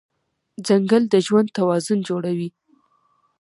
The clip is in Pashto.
ځنګل د ژوند توازن جوړوي.